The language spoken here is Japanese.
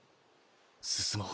進もう。